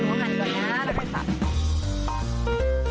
อันนั้นก็หันด้วยนะไม่ได้สับ